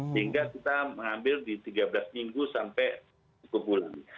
sehingga kita mengambil di tiga belas minggu sampai cukup bulan